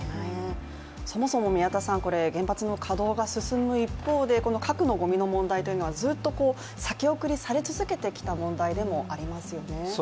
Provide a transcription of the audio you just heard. そもそも宮田さん、これ原発の稼働が進む一方で核のごみの問題はずっと先送りされ続けてきた問題でもありますよね。